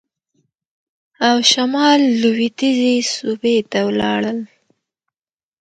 او شمال لوېدیځې صوبې ته ولاړل.